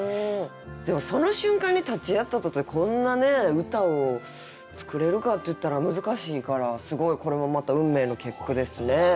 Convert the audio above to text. でもその瞬間に立ち会ったとてこんなね歌を作れるかっていったら難しいからすごいこれもまた「運命の結句」ですね。